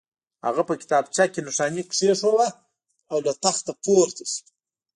هغه په کتابچه کې نښاني کېښوده او له تخت پورته شو